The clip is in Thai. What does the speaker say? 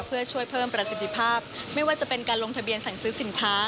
เพื่อช่วยเพิ่มประสิทธิภาพไม่ว่าจะเป็นการลงทะเบียนสั่งซื้อสินค้า